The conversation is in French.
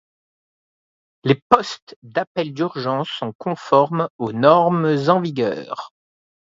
Les postes d’appel d’urgence sont conformes aux normes en vigueur.